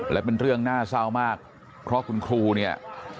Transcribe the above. และเป็นเรื่องน่าเศร้ามากเพราะคุณครูเนี่ย